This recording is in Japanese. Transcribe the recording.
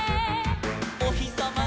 「おひさま